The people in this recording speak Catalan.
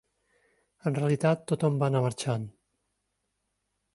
En realitat tothom va anar marxant.